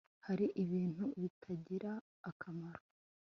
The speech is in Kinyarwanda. hari ibintu bitagira akamaro